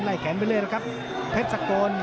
ไล่แขนไปเลยครับเพชรสะโกน